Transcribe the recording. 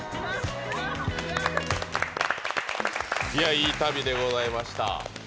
いい旅でございました。